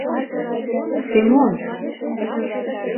— Семон...